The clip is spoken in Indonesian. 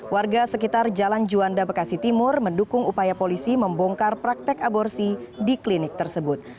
warga sekitar jalan juanda bekasi timur mendukung upaya polisi membongkar praktek aborsi di klinik tersebut